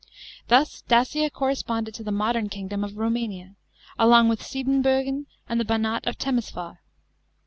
Thus Dacia corresponded to the modern kingdom of lloumania, along with Siebenbiirgen and the Banat of Temesvar.